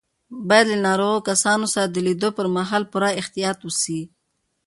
باید له ناروغو کسانو سره د لیدو پر مهال پوره احتیاط وشي.